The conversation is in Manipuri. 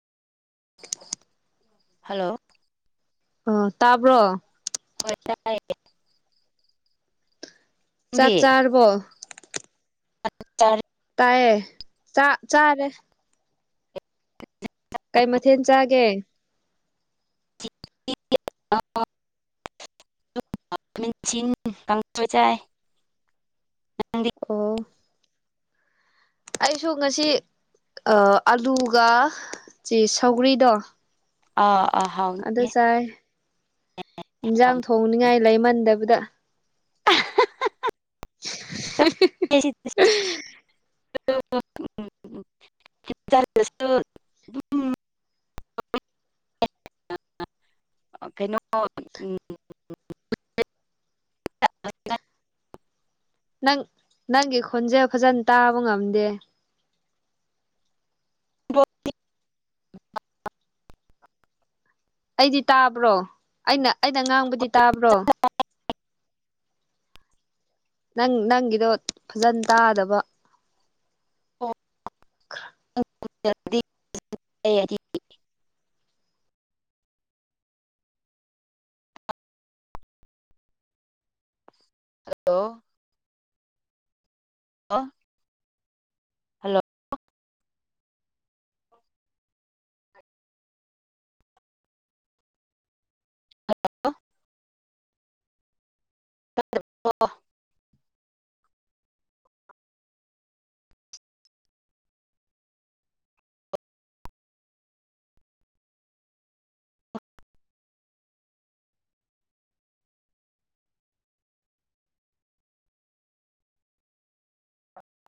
ꯍꯜꯂꯣ ꯑꯣ ꯇꯥꯕ꯭ꯔꯣ ꯍ‌ꯣꯏ ꯇꯥꯏꯌ‌ꯦ ꯆꯥꯛ ꯆꯥꯔꯕꯣ ꯆꯥꯛ ꯆꯔ‌ꯦ ꯍꯥꯏꯌꯦ ꯆꯥꯛ ꯆꯥꯔꯦ ꯀꯩ ꯃꯊꯦꯜ ꯆꯥꯒꯦ [unintelligible] [unintelligible] ꯀꯥꯡꯁ‌ꯣꯏ ꯆꯥꯏꯌ‌ꯦ ꯑꯣ ꯑꯩꯁꯨ ꯉꯁꯤ ꯑꯥ ꯑꯂꯨꯒ ꯆꯦ ꯁꯧꯒ꯭ꯔꯤꯗꯣ ꯑ ꯑ ꯍꯥꯎ ꯑꯗꯨ ꯆꯥꯏꯌ‌ꯦ ꯏꯟꯖꯥꯡ ꯊꯣꯡꯅꯤꯡꯉꯥꯏ ꯂꯩꯃꯟꯗꯕꯗ [unintelligible] [unintelligible] ꯑꯥ ꯀꯩꯅꯣ ꯎꯝ ꯅꯪ ꯅꯪꯒꯤ ꯈ‌ꯣꯟꯖ‌ꯦꯜ ꯐꯖꯅ ꯇꯥꯕ ꯉꯝꯗꯦ ꯑꯩꯗꯤ ꯇꯥꯕ꯭ꯔꯣ ꯑꯩꯅ ꯑꯩꯅ ꯉꯥꯡꯕꯗꯤ ꯇꯥꯕ꯭ꯔꯣ ꯅꯪ ꯅꯪꯒꯤꯗꯣ ꯐꯖꯅ ꯇꯥꯗꯕ [unintelligible] [unintelligible] ꯍꯜꯂꯣ ꯑ ꯍꯜꯂꯣ ꯍꯜꯂꯣ ꯀ